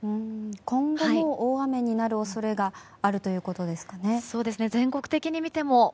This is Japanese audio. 今後も大雨になる恐れがあるということですかね。